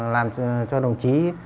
làm cho đồng chí